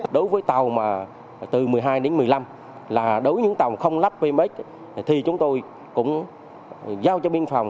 đối với tàu mà từ một mươi hai đến một mươi năm là đối với những tàu không lắp pmx thì chúng tôi cũng giao cho biên phòng